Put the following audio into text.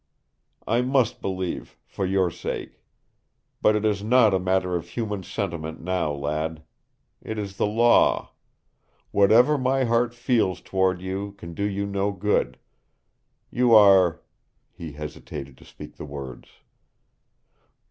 "I must believe, for your sake. But it is not a matter of human sentiment now, lad. It is the Law! Whatever my heart feels toward you can do you no good. You are " He hesitated to speak the words.